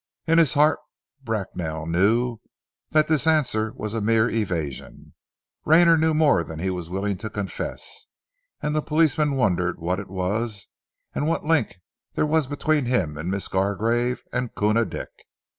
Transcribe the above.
In his heart Bracknell knew that this answer was a mere evasion. Rayner knew more than he was willing to confess, and the policeman wondered what it was, and what link there was between him and Miss Gargrave and Koona Dick.